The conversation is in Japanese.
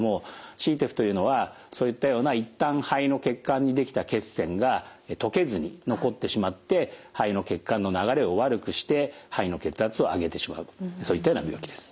ＣＴＥＰＨというのはそういったような一旦肺の血管にできた血栓が溶けずに残ってしまって肺の血管の流れを悪くして肺の血圧を上げてしまうそういったような病気です。